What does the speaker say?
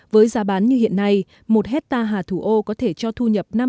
với giá bán như hiện nay một hectare hà thủ ô có thể cho thu nhập